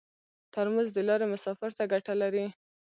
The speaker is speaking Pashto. ترموز د لارې مسافر ته ګټه لري.